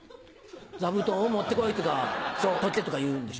座布団を持ってこいとか取ってとか言うんでしょ？